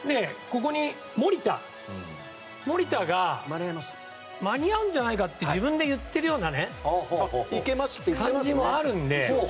そして守田が間に合うんじゃないかなと自分で言ってるような感じもあるので。